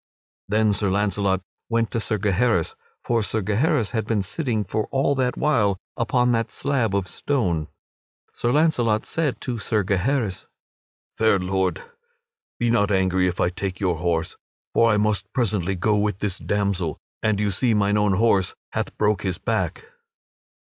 Then Sir Launcelot went to Sir Gaheris for Sir Gaheris had been sitting for all that while upon that slab of stone. Sir Launcelot said to Sir Gaheris: "Fair Lord, be not angry if I take your horse, for I must presently go with this damsel, and you see mine own horse hath broke his back."